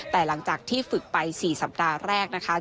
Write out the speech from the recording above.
แต่หลังจากที่ฝึกไป๔สัปดาห์แรกนะคะ